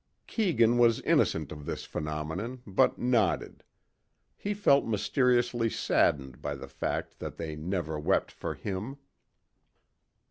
Keegan was innocent of this phenomenon, but nodded. He felt mysteriously saddened by the fact that they never wept for him.